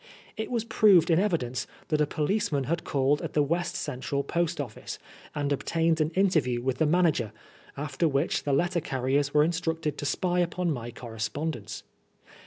It was proved in evidence that a policeman had called at the West Central Post Office, and obtained an interview with the manager, after which the letter carriers were instructed to spy upon my correspondence.